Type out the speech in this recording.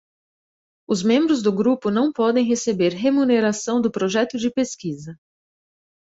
Os membros do grupo não podem receber remuneração do projeto de pesquisa.